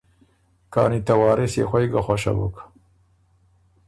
کانی ته وارث يې خوئ ګۀ خوشه بُک،